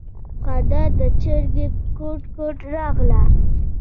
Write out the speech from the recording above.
خندا د چرگې کوټ کوټ راغله.